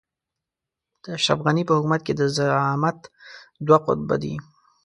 د اشرف غني په حکومت کې د زعامت دوه قطبه دي.